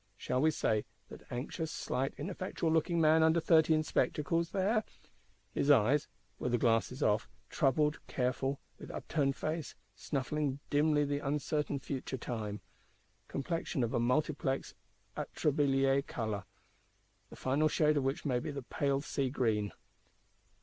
Shall we say, that anxious, slight, ineffectual looking man, under thirty, in spectacles; his eyes (were the glasses off) troubled, careful; with upturned face, snuffing dimly the uncertain future time; complexion of a multiplex atrabiliar colour, the final shade of which may be the pale sea green.